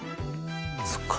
そっか。